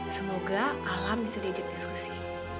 semoga alam bisa diajak diskusi